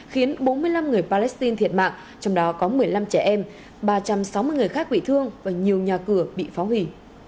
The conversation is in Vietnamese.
khiến bốn mươi năm người palestine thiệt mạng trong đó có một mươi năm trẻ em ba trăm sáu mươi người khác bị thương và nhiều nhà cửa bị phá hủy